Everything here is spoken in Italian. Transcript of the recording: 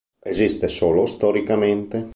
Esiste solo storicamente.